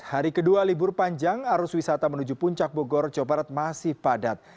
hari kedua libur panjang arus wisata menuju puncak bogor jawa barat masih padat